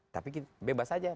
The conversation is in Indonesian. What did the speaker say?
tapi bebas saja